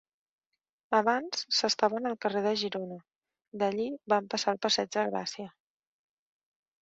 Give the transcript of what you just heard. Abans s'estaven al carrer de Girona: d'allí van passar al Passeig de Gràcia.